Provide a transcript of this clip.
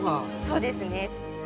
そうですね。